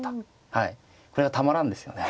はいこれがたまらんですよね。